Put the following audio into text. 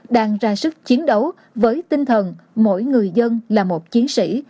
đang ra sức chiến đấu với tinh thần mỗi người dân là một chiến sĩ